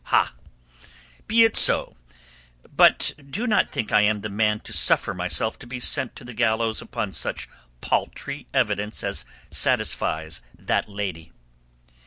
"Ha! Be it so. But do not think I am the man to suffer myself to be sent to the gallows upon such paltry evidence as satisfies that lady.